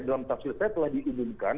dalam tafsir saya telah diumumkan